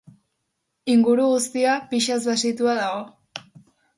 Inguru guztia pixaz basitua dago.